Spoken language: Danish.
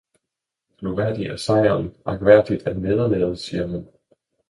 Glorværdig er sejren, ærværdigt er nederlaget, siger man.